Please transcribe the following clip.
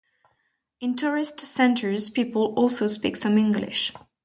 In tourist centers people also speak some English.